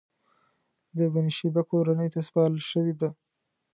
د بنی شیبه کورنۍ ته سپارل شوې ده.